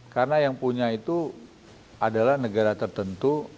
karena yang punya itu adalah negara tertentu